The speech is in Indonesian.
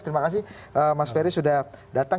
terima kasih mas ferry sudah datang